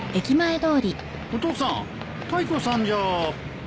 お父さんタイコさんじゃ？